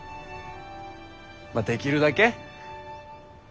まあできるだけ。